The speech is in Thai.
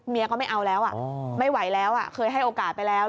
ก็ไม่เอาแล้วไม่ไหวแล้วเคยให้โอกาสไปแล้ว